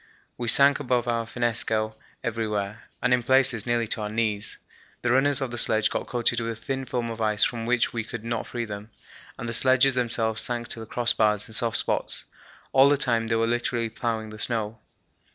We sank above our finnesko everywhere, and in places nearly to our knees. The runners of the sledges got coated with a thin film of ice from which we could not free them, and the sledges themselves sank to the crossbars in soft spots. All the time they were literally ploughing the snow.